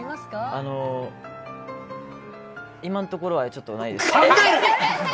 あのー今のところはちょっとないです。